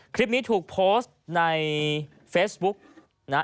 คลิปนี้ถูกโพสต์ในเฟซบุ๊กนะฮะ